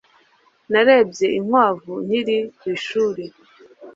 Narebye inkwavu nkiri ku ishuri.